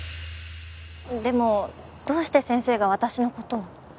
でもどうして先生が私の事を？